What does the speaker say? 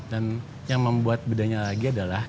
dan yang membuat bedanya lagi adalah